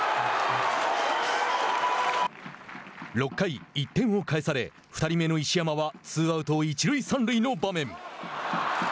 ６回、１点を返され２人目の石山はツーアウト、一塁三塁の場面。